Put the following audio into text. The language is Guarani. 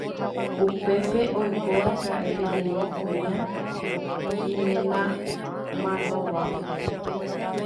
Upépe oikóraka'e peteĩ kuña imenamanóvama